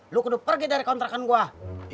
lu kedua pergi dari kontrakan gue